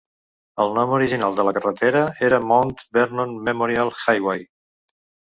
El nom original de la carretera era Mount Vernon Memorial Highway.